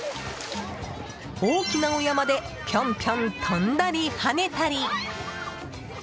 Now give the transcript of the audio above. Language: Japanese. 大きなお山でピョンピョン跳んだり跳ねたり！